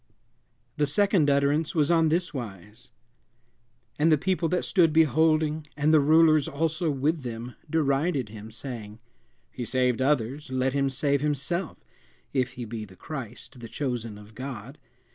The second utterance was on this wise: "And the people that stood beholding, and the rulers also with them, derided him, saying, He saved others; let him save himself, if he be Christ, the chosen of God.